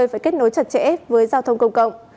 phải kết nối chặt chẽ với giao thông công cộng